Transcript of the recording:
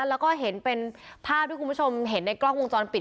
แล้วก็เห็นเป็นภาพที่คุณผู้ชมเห็นในกล้องวงจรปิด